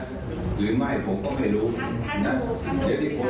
จะเป็นการกรอกคำสั่งบนใดทั้งทุกที่